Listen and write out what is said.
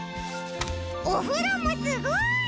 おふろもすごい！